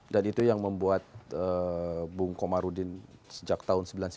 dan itu yang membuat bung komarudin sejak tahun seribu sembilan ratus sembilan puluh sembilan ya